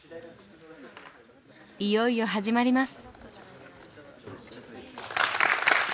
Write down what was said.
いよいよ始まります。